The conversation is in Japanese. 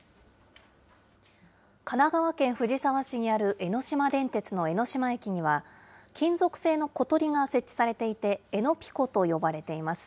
神奈川県藤沢市にある江ノ島電鉄の江ノ島駅には、金属製の小鳥が設置されていて、江のピコと呼ばれています。